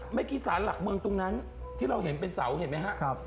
เมื่อกี้สารหลักเมืองตรงนั้นที่เราเห็นเป็นเสาเห็นไหมครับ